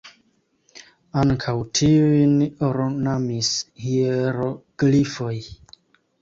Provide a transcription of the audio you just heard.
Ankaŭ tiujn ornamis hieroglifoj.